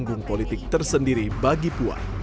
dan membuatnya politik tersendiri bagi puan